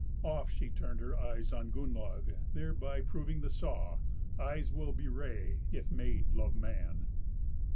Oft she turned her eyes on Gunnlaug, thereby proving the saw, "Eyes will bewray if maid love man."